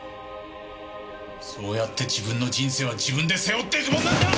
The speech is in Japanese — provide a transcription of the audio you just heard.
そうやって自分の人生は自分で背負っていくもんなんだ！